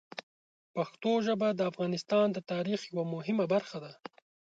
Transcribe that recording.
پښتو ژبه د افغانستان د تاریخ یوه مهمه برخه ده.